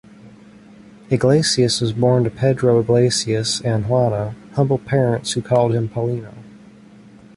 Iglesias was born to Pedro Iglesias and Juana, humble parents who called him Paulino.